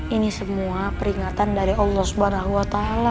ini semua peringatan dari allah swt